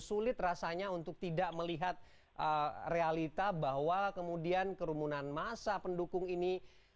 sulit rasanya untuk tidak melihat realita bahwa kemudian kerumunan masa pendukung ini